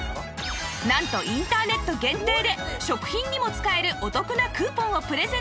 なんとインターネット限定で食品にも使えるお得なクーポンをプレゼント